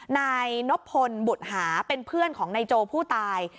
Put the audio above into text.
นายนบพลบุตรหาเป็นเพื่อนของนายโจผู้ตาย